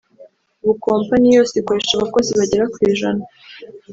ubu Kompanyi yose ikoresha abakozi bagera ku ijana